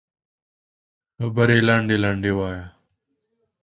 خبرې لنډې لنډې وایه